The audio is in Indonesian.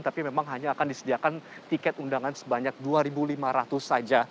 tapi memang hanya akan disediakan tiket undangan sebanyak dua lima ratus saja